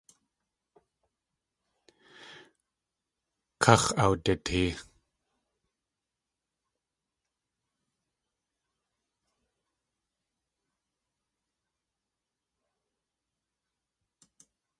Káx̲ awditee.